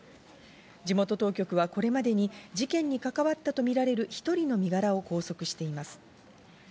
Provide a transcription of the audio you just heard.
地元当局はこれまでに事件に関わったとみられる１人の身柄を拘束しています。